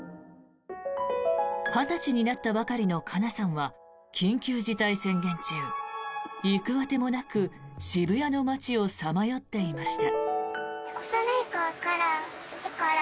２０歳になったばかりのかなさんは、緊急事態宣言中行く当てもなく渋谷の街をさまよっていました。